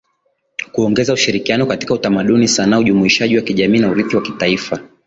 Kuongeza ushirikiano katika utamaduni sanaa ujumuishaji wa kijamii na urithi wa kitaifa